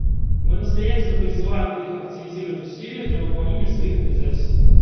Мы настоятельно призываем их активизировать усилия для выполнения своих обязательств.